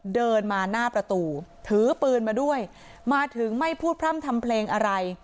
เดินมาหน้าประตูถือปืนมาด้วยมาถึงไม่พูดพร่ำทำเพลงอะไร